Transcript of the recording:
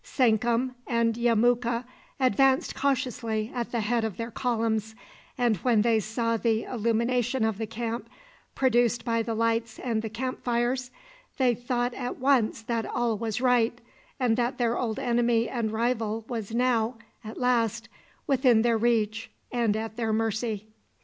Sankum and Yemuka advanced cautiously at the head of their columns, and when they saw the illumination of the camp produced by the lights and the camp fires, they thought at once that all was right, and that their old enemy and rival was now, at last, within their reach and at their mercy.